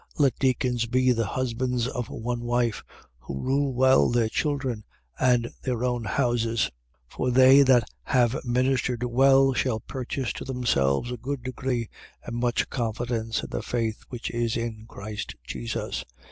3:12. Let deacons be the husbands of one wife: who rule well their children and their own houses. 3:13. For they that have ministered well shall purchase to themselves a good degree and much confidence in the faith which is in Christ Jesus.